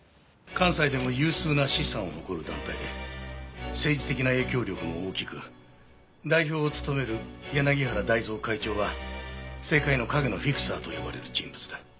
関西でも有数な資産を誇る団体で政治的な影響力も大きく代表を務める柳原大造会長は政界の影のフィクサーと呼ばれる人物だ。